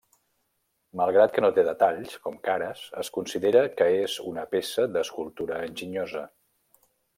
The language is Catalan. Malgrat que no té detalls, com cares, es considera que és una peça d'escultura enginyosa.